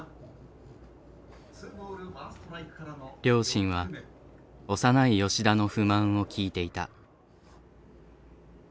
両親は幼い吉田の不満を聞いていた。